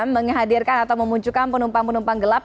menghadirkan atau memunculkan penumpang penumpang gelap